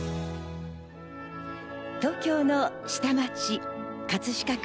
東京の下町・葛飾区。